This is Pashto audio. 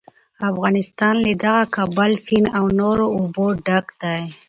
افغانستان له دغه کابل سیند او نورو اوبو ډک دی.